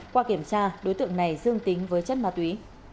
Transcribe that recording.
qua kiểm tra đối tượng này dương tính với chất ma túy